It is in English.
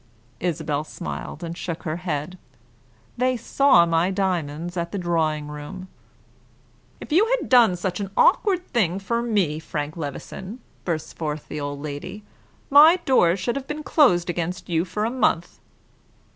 Isabel smiled and shook her head. "They saw my diamonds at the drawing room." "If you had done such an awkward thing for me, Frank Levison," burst forth the old lady, "my doors should have been closed against you for a month.